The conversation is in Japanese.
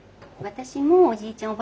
私もおじいちゃん